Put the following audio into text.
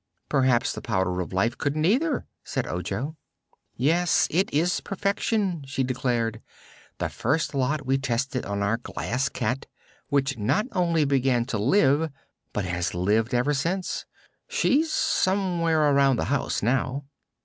"Perhaps the Powder of Life couldn't either," said Ojo. "Yes; it is perfection," she declared. "The first lot we tested on our Glass Cat, which not only began to live but has lived ever since. She's somewhere around the house now."